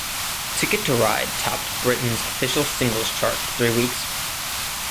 "Ticket to Ride" topped Britain's official singles chart for three weeks.